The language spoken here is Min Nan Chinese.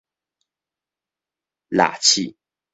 臘刺